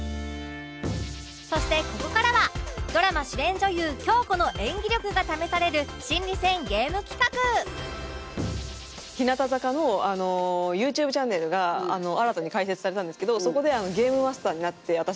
そしてここからはドラマ主演女優京子の演技力が試される心理戦ゲーム企画日向坂の ＹｏｕＴｕｂｅ チャンネルが新たに開設されたんですけどそこでゲームマスターになって私が。